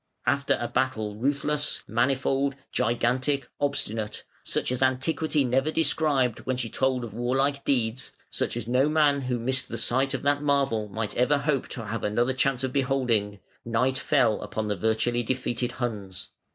After "a battle ruthless, manifold, gigantic, obstinate, such as antiquity never described when she told of warlike deeds, such as no man who missed the sight of that marvel might ever hope to have another chance of beholding", night fell upon the virtually defeated Huns.